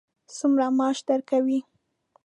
څومره معاش درکوي.